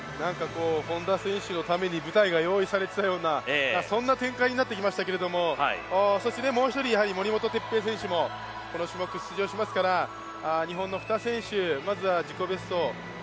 本多選手のために舞台が用意されていたようなそんな展開になってきましたけどもう一人、森本哲平選手もこの種目、出場しますから日本の２選手のベストタイム